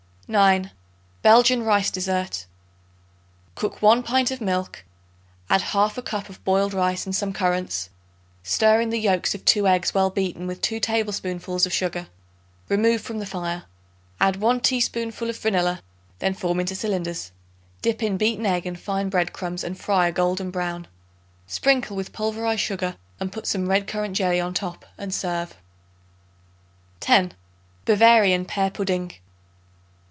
9. Belgian Rice Dessert. Cook 1 pint of milk; add 1/2 cup of boiled rice and some currants; stir in the yolks of 2 eggs well beaten with 2 tablespoonfuls of sugar. Remove from the fire. Add 1 teaspoonful of vanilla; then form into cylinders. Dip in beaten egg and fine bread crumbs and fry a golden brown. Sprinkle with pulverized sugar and put some red currant jelly on top and serve. 10. Bavarian Pear Pudding.